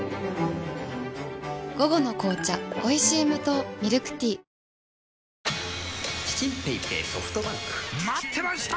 午後の紅茶おいしい無糖ミルクティーチチンペイペイソフトバンク！待ってました！